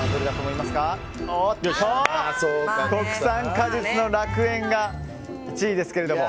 国産果実の楽園が１位ですが。